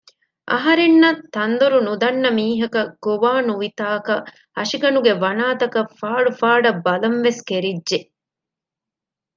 އަހަރެންނަށް ތަންދޮރު ނުދަންނަ މީހަކަށް ގޮވާ ނުވިތާކަށް ހަށިގަނޑުގެ ވަނާތަކަށް ފާޑު ފާޑަށް ބަލަންވެސް ކެރިއްޖެ